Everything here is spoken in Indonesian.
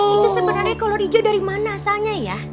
itu sebenarnya kolor ijo dari mana asalnya ya